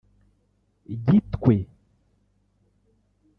Gitwe